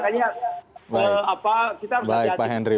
nah itu yang makanya kita harus hati hati